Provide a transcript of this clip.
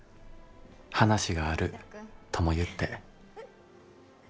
話があるとも言って」。